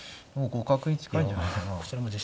もう互角に近いんじゃないかな。